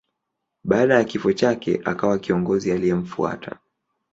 Baada ya kifo chake akawa kiongozi aliyemfuata.